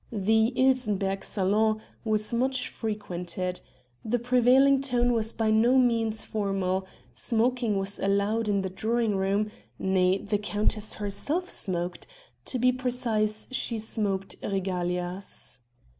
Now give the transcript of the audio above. The Ilsenbergh salon was much frequented; the prevailing tone was by no means formal; smoking was allowed in the drawing room nay the countess herself smoked: to be precise she smoked regalias.